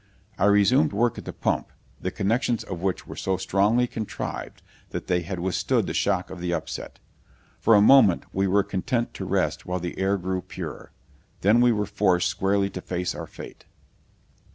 I resumed work at the pump, the connections of which were so strongly contrived that they had withstood the shock of the upset. For a moment we were content to rest while the air grew purer. Then we were forced squarely to face our fate.